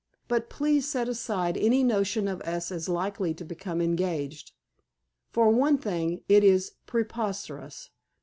But please set aside any notion of us as likely to become engaged. For one thing, it is preposterous.